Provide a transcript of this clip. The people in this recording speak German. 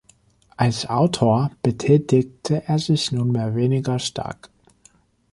Als Autor betätigte er sich nunmehr weniger stark.